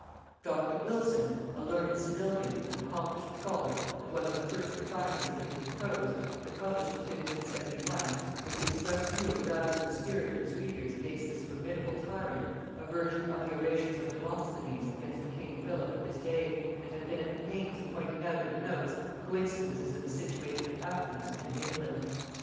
Dr. Wylson, a learned civilian, an accomplished scholar, and one of the first refiners of English prose, had published in 1571, with the express view of rousing the spirit of his readers against this formidable tyrant, a version of the Orations of Demosthenes against the king Philip of his day, and had been at the pains of pointing out in the notes coincidences in the situation of Athens and of England.